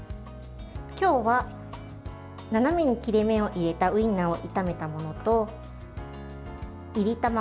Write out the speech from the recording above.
今日は斜めに切れ目を入れたウィンナーを炒めたものといり卵。